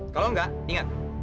kalau enggak ingat